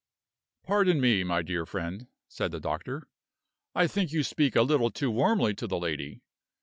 "Pardon me, my dear friend," said the doctor; "I think you speak a little too warmly to the lady.